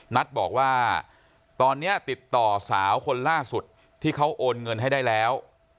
นัทบอกว่าตอนนี้ติดต่อสาวคนล่าสุดที่เขาโอนเงินให้ได้แล้ว